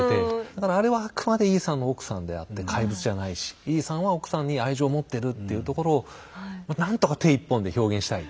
だからあれはあくまでイーサンの奥さんであって怪物じゃないしイーサンは奥さんに愛情を持ってるっていうところをまあ何とか手１本で表現したい。